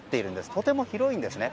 とても広いんですね。